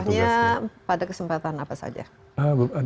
hanya pada kesempatan apa saja